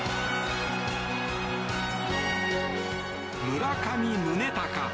村上宗隆。